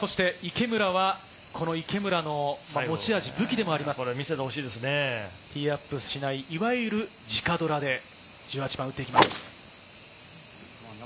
池村は持ち味、武器でもあります、ティーアップしない、いわゆる直ドラで１８番を打っていきます。